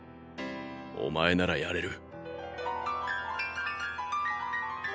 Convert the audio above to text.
お前ならやれる！